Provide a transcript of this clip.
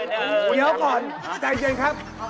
เดี๋ยวก่อนใจเย็นครับ